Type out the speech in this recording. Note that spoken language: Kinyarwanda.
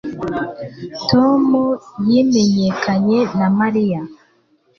Tom yimenyekanye na Mariya